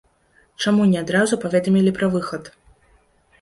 Чаму не адразу паведамілі пра выхад?